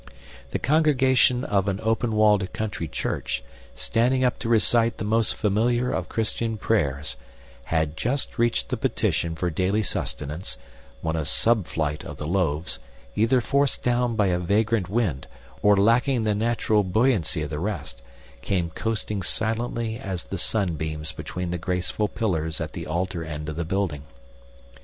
The congregation of an open walled country church, standing up to recite the most familiar of Christian prayers, had just reached the petition for daily sustenance, when a sub flight of the loaves, either forced down by a vagrant wind or lacking the natural buoyancy of the rest, came coasting silently as the sunbeams between the graceful pillars at the altar end of the building.